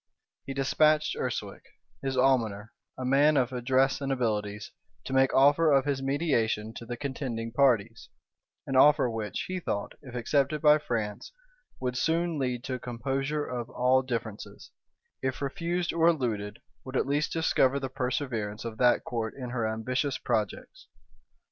He despatched Urswic, his almoner, a man of address and abilities, to make offer of his mediation to the contending parties; an offer which, he thought, if accepted by France, would soon lead to a composure of all differences; if refused or eluded, would at least discover the perseverance of that court in her ambitious projects.